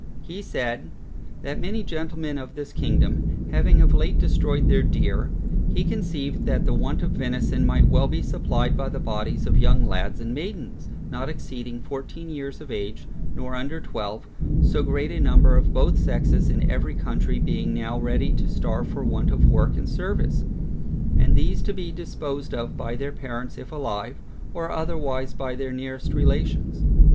He said, that many gentlemen of this kingdom, having of late destroyed their deer, he conceived that the want of venison might be well supplied by the bodies of young lads and maidens, not exceeding fourteen years of age, nor under twelve; so great a number of both sexes in every county being now ready to starve for want of work and service: and these to be disposed of by their parents if alive, or otherwise by their nearest relations.